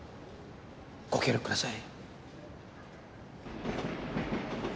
ご協力ください。